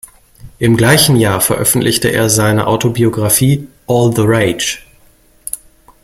Im gleichen Jahr veröffentlichte er seine Autobiografie "All the Rage".